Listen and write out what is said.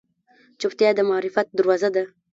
چوپتیا، د معرفت دروازه ده.